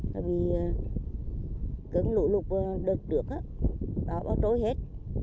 bởi vì cơn lũ lụt đợt trước bà trôi hết